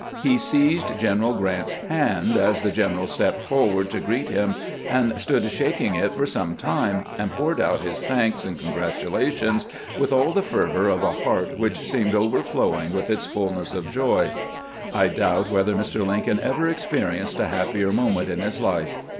He seized General Grant's hand as the general stepped forward to greet him, and stood shak ing it for some time, and pouring out his thanks and congratulations with all the fervor of a heart which seemed overflowing with its fullness of joy. I doubt whether Mr. Lincoln ever experienced a happier mo ment in his life.